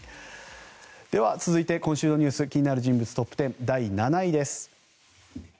では、続いて今週のニュース気になる人物トップ１０第７位です。